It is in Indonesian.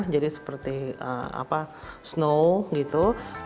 jadi seperti snow gitu